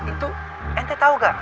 itu ente tau ga